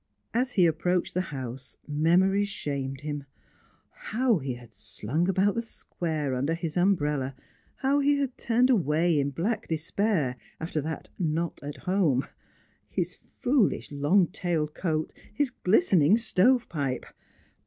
As he approached the house, memories shamed him. How he had slunk about the square under his umbrella; how he had turned away in black despair after that "Not at home"; his foolish long tailed coat, his glistening stovepipe!